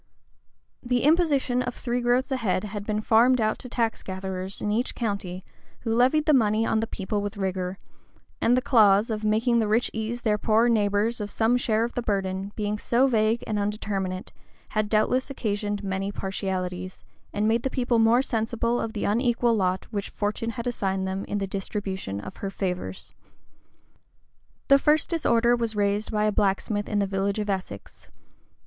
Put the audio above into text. The imposition of three groats a head had been farmed out to tax gatherers in each county, who levied the money on the people with rigor; and the clause, of making the rich ease their poorer neighbors of some share of the burden, being so vague and undeterminate, had doubtless occasioned many partialities, and made the people more sensible of the unequal lot which Fortune had assigned them in the distribution of her favors. The first disorder was raised by a blacksmith in a village of Essex.